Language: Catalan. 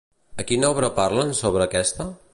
A quina obra parlen sobre aquesta?